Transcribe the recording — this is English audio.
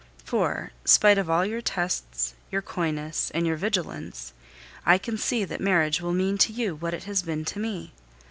For, spite of all your tests, your coyness, and your vigilance, I can see that marriage will mean to you what it has been to me.